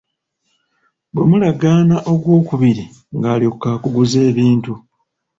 Bwe mulagaana ogwokubiri ng'alyoka akuguza ebintu.